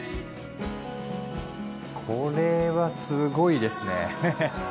これはすごいですね。